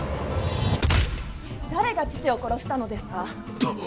誰が父を殺したのですか。